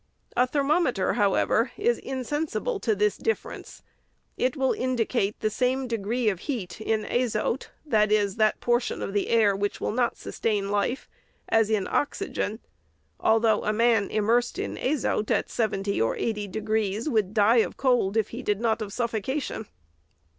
A thermome ter, however, is insensible to this difference. It will in dicate the same degree of heat in azote, i.e., iu that por tion of the air which will not sustain life, as in oxygen ; although a man immersed in azote at seventy or eighty degrees would die of cold, if he did not of suffocation.